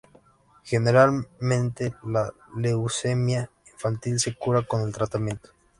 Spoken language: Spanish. Generalmente, la leucemia infantil se cura con el tratamiento.